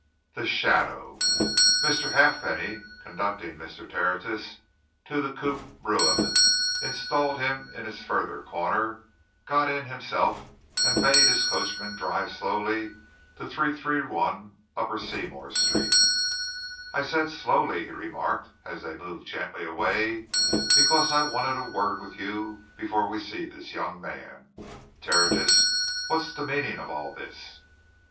CHAPTER XI THE SHADOW Mr. Halfpenny, conducting Mr. Tertius to the coupé brougham, installed him in its further corner, got in himself and bade his coachman drive slowly to 331, Upper Seymour Street. "I said slowly," he remarked as they moved gently away, "because I wanted a word with you before we see this young man. Tertius what's the meaning of all this?"